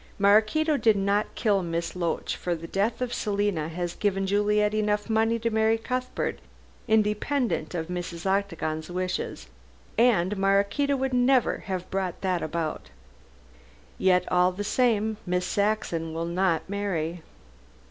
Maraquito did not kill Miss Loach, for the death of Selina has given Juliet enough money to marry Cuthbert, independent of Mrs. Octagon's wishes, and Maraquito would never have brought that about." "Yet all the same Miss Saxon will not marry."